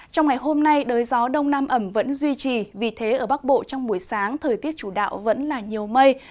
trong ngày hôm nay đới gió đông nam ẩm vẫn duy trì vì thế ở bắc bộ trong buổi sáng thời tiết chủ đạo vẫn là nhiều mây